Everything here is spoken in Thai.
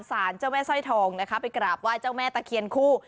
สารเจ้าแม่สร้อยทองนะคะไปกราบไหว้เจ้าแม่ตะเคียนคู่